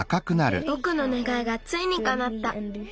ぼくのねがいがついにかなった。